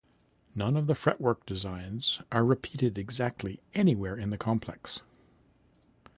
None of the fretwork designs are repeated exactly anywhere in the complex.